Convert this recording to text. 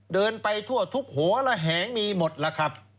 เดินไปทั่วทุกหัวระแหงมีหมดแล้วครับ